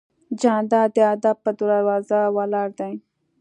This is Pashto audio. جانداد د ادب په دروازه ولاړ دی.